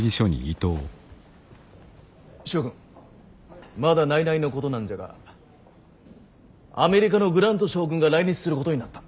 諸君まだ内々のことなんじゃがアメリカのグラント将軍が来日することになった。